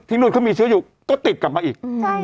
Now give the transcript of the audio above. นู่นเขามีเชื้ออยู่ก็ติดกลับมาอีก